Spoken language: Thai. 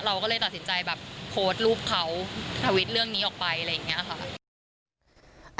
เราก็เลยตัดสินใจแบบโพสต์รูปเขาทวิตเรื่องนี้ออกไปอะไรอย่างนี้ค่ะ